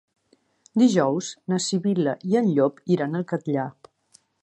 Dijous na Sibil·la i en Llop iran al Catllar.